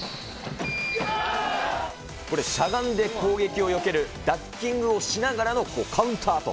これ、しゃがんで攻撃をよける、ダッキングをしながらのカウンターと。